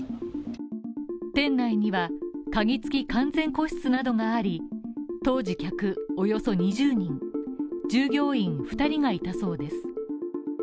店内には、鍵付き完全個室などがあり当時、客およそ２０人、従業員２人がいたそうです。